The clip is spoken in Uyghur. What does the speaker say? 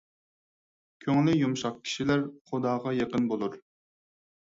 كۆڭلى يۇمشاق كىشىلەر خۇداغا يېقىن بولۇر.